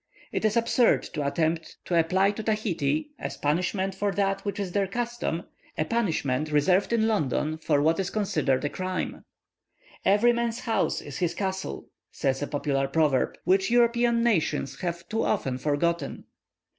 It is absurd to attempt to apply to Tahiti, as punishment for that which is their custom, a punishment reserved in London for what is considered a crime. "Every man's house is his castle," says a popular proverb, which European nations have too often forgotten.